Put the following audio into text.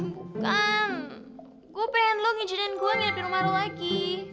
bukan gue pengen lo ngijenin gue ngidapin rumah lo lagi